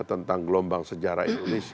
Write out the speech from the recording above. tentang gelombang sejarah indonesia